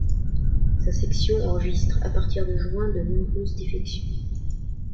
Sa section enregistre à partir de juin de nombreuses défections.